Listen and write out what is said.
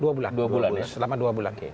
dua bulan selama dua bulan